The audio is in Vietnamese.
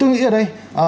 tôi nghĩ ở đây